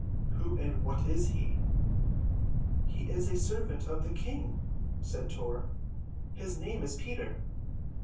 "Who and what is he?" "He is a servant of the King," said Tor. "His name is Peter."